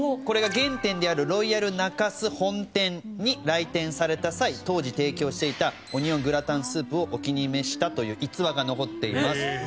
これが原点であるロイヤル中洲本店に来店された際当時提供していたオニオングラタンスープをお気に召したという逸話が残っています。